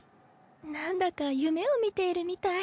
なんだか夢を見ているみたい。